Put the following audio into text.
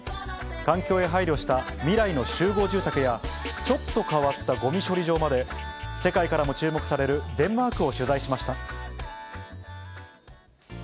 環境へ配慮した未来の集合住宅や、ちょっと変わったごみ処理場まで、世界からも注目されるデンマークを取材しました。